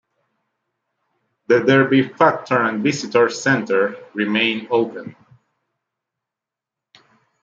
The Derby factory and visitor centre remain open.